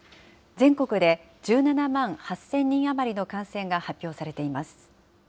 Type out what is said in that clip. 全国で１７万８０００人余りの感染が発表されています。